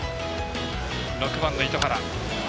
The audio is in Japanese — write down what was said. ６番の糸原。